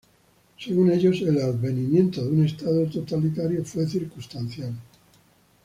Según ellos, el advenimiento de un estado totalitario fue circunstancial.